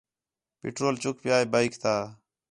پیٹرول چُک پِیا ہِے بائیک تا